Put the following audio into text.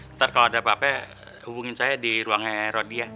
nanti kalau ada apa apa hubungi saya di ruangnya rodi ya